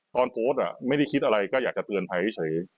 โพสต์ไม่ได้คิดอะไรก็อยากจะเตือนภัยเฉย